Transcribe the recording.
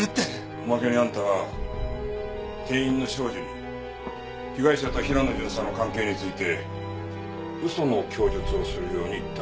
おまけにあんたは店員の庄司に被害者と平野巡査の関係について嘘の供述をするように言った。